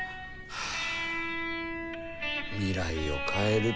はあ。